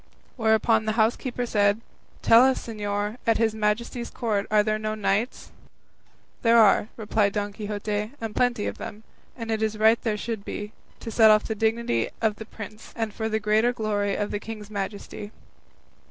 Whereupon the housekeeper said, "Tell us, señor, at his Majesty's court are there no knights?" "There are," replied Don Quixote, "and plenty of them; and it is right there should be, to set off the dignity of the prince, and for the greater glory of the king's majesty."